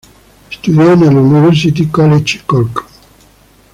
Estudió en la University College Cork.